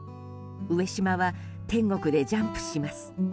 上島は天国でジャンプします。